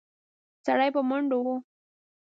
سړی په منډه و.